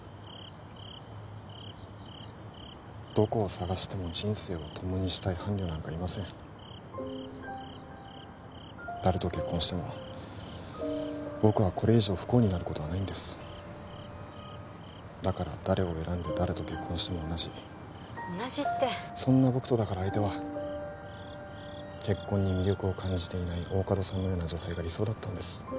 どこを探しても人生を共にしたい伴侶なんかいません誰と結婚しても僕はこれ以上不幸になることはないんですだから誰を選んで誰と結婚しても同じ同じってそんな僕とだから相手は結婚に魅力を感じていない大加戸さんのような女性が理想だったんです